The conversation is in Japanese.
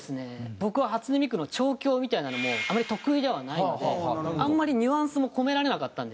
僕は初音ミクの調教みたいなのもあんまり得意ではないのであんまりニュアンスも込められなかったんですよ。